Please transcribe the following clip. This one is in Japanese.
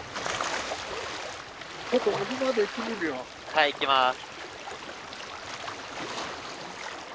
はい行きます。